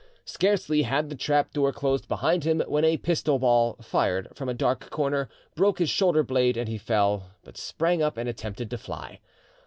Scarcely had the trap door closed behind him when a pistol ball, fired from a dark corner, broke his shoulder blade, and he fell, but sprang up and attempted to fly.